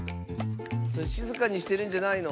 それしずかにしてるんじゃないの？